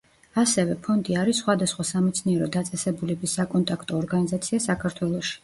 ასევე, ფონდი არის სხვადასხვა სამეცნიერო დაწესებულების საკონტაქტო ორგანიზაცია საქართველოში.